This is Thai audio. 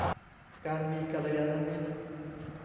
การมีกัลยาณมิตร